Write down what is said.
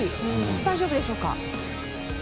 大丈夫でしょうか？